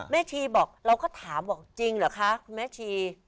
ชีบอกเราก็ถามบอกจริงเหรอคะคุณแม่ชี